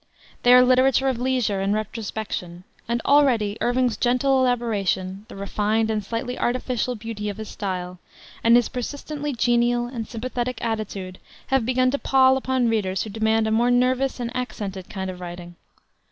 They are the literature of leisure and retrospection; and already Irving's gentle elaboration, the refined and slightly artificial beauty of his style, and his persistently genial and sympathetic attitude have begun to pall upon readers who demand a more nervous and accented kind of writing.